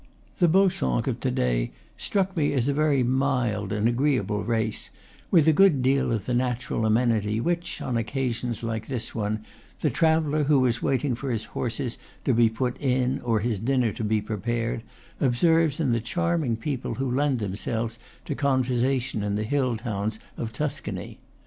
The Baussenques of to day struck me as a very mild and agreeable race, with a good deal of the natural amenity which, on occasions like this one, the traveller, who is, waiting for his horses to be put in or his dinner to be prepared, observes in the charming people who lend themselves to con versation in the hill towns of Tuscany.